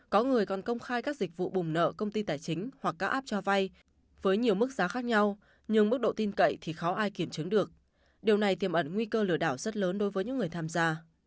có người còn công khai các dịch vụ bùng nợ công ty tài chính hoặc các app cho vay với nhiều mức giá khác nhau nhưng mức độ tin cậy thì khó ai kiểm chứng được điều này tiềm ẩn nguy cơ lừa đảo rất lớn đối với những người tham gia